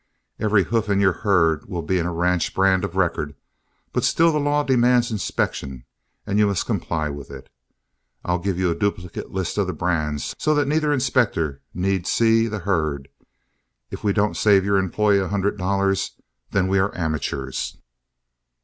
Every hoof in your herd will be in a ranch brand of record; but still the law demands inspection and you must comply with it. I'll give you a duplicate list of the brands, so that neither inspector need see the herd, and if we don't save your employer a hundred dollars, then we are amateurs."